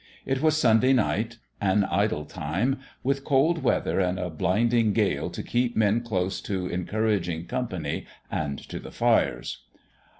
It was Sunday night : an 181 1 8a GINGERBREAD idle time with cold weather and a blinding gale to keep men close to encouraging company and to the fires.